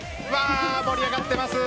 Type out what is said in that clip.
盛り上がっています。